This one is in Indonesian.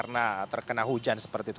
karena terkena hujan seperti itu